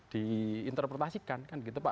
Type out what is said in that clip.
di interpretasikan kan gitu